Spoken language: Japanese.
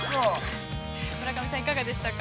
◆村上さん、いかがでしたか。